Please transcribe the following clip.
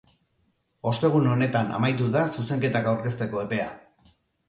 Ostegun honetan amaitu da zuzenketak aurkezteko epea.